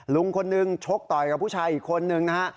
ลุงคนนึงชกต่อยกับผู้ชายอีกคนนึงนะฮะ